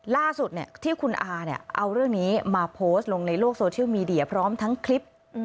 ล่าสุดที่คุณอาเอาเรื่องนี้มาโพสต์ลงในโลกโซเชียลมีเดียพร้อมทั้งคลิป